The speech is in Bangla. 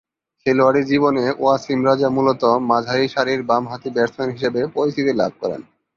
খেলোয়াড়ী জীবনে ওয়াসিম রাজা মূলতঃ মাঝারিসারির বামহাতি ব্যাটসম্যান হিসেবে পরিচিতি লাভ করেন।